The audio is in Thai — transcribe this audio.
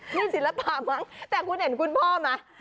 นี่ศิลปะมั้งแต่คุณเห็นคุณพ่อไหม